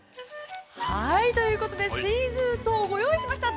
◆はい、ということで、シーズートウご用意しました。